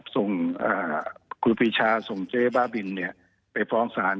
ส่งครูปีชาส่งเจ๊บ้าบินไปฟ้องศาล